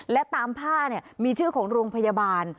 และตามผ้ามีชื่อของโรงพยาบาล